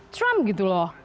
trump gitu loh